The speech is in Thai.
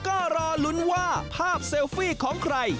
ก็รอลุ้นว่าภาพเซลฟี่ของใคร